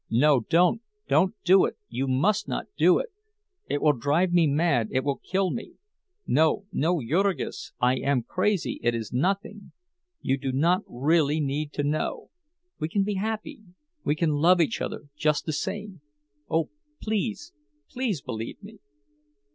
No, don't, don't do it. You must not do it! It will drive me mad—it will kill me—no, no, Jurgis, I am crazy—it is nothing. You do not really need to know. We can be happy—we can love each other just the same. Oh, please, please, believe me!"